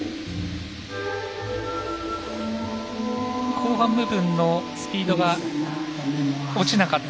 後半部分のスピードが落ちなかった。